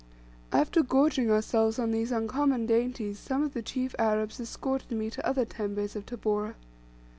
After gorging ourselves on these uncommon dainties some of the chief Arabs escorted me to other tembes of Tabora.